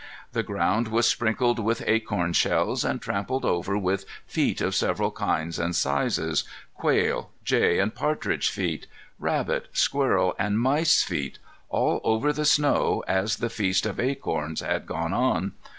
The ground was sprinkled with acorn shells and trampled over with feet of several kinds and sizes,—quail, jay, and partridge feet; rabbit, squirrel, and mice feet, all over the snow as the feast of acorns had gone on.